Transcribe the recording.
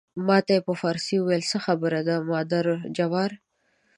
ما ته یې په فارسي وویل څه خبره ده مادر جبار.